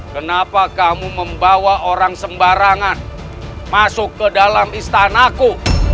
kenapa kamu membawa orang sembarangan masuk ke dalam istanaku